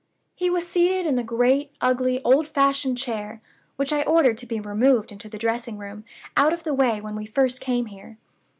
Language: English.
"He was seated in the great, ugly, old fashioned chair, which I ordered to be removed into the dressing room out of the way when we first came here.